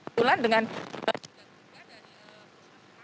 setelah dengan proses tracing